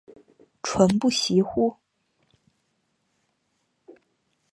传不习乎？